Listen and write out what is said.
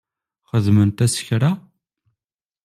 Xedment-as kra?